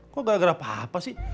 kok gara gara papa sih